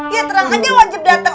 ya terang aja wajib datang